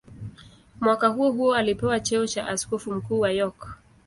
Mwaka huohuo alipewa cheo cha askofu mkuu wa York.